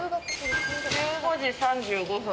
１５時３５分。